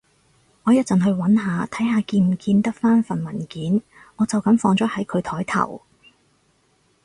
我一陣去搵下，睇下見唔見得返份文件，我就噉放咗喺佢枱頭